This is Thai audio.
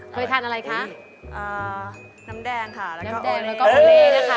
เคยทานอะไรคะอ๋อน้ำแดงค่ะแล้วก็น้ำแดงแล้วก็อัลเลน่าค่ะ